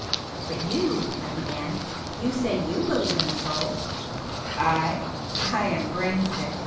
"But you"—I began—"you say you believe in the soul?" "I? I am brainsick!"